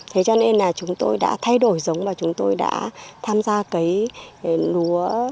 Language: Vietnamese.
thế cho nên là chúng tôi đã thay đổi giống và chúng tôi đã tham gia cái lúa